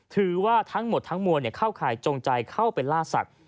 ถือว่าทั้งหมดทั้งมวลเข้าข่ายจงใจเข้าไปล่าสัตว